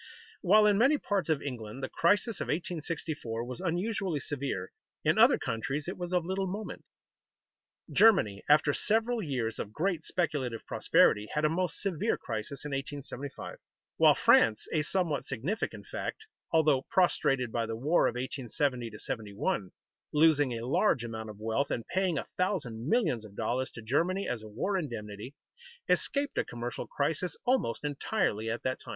While in many parts of England the crisis of 1864 was unusually severe, in other countries it was of little moment. Germany, after several years of great speculative prosperity, had a most severe crisis in 1875; while France (a somewhat significant fact), although prostrated by the war of 1870 71, losing a large amount of wealth, and paying a thousand millions of dollars to Germany as a war indemnity, escaped a commercial crisis almost entirely at that time.